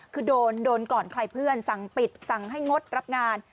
คือโดนก่อนใครเพื่อนสั่งปิดสั่งให้งดรับงาน